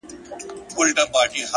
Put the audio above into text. فکرونه د عملونو سرچینه ده.!